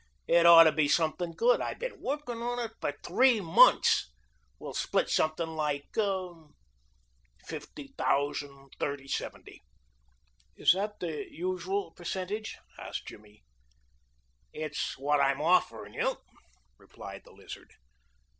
It ought to be something good. I been working on it for three months. We'll split something like fifty thousand thirty seventy." "Is that the usual percentage?" asked Jimmy. "It's what I'm offerin' you," replied the lizard.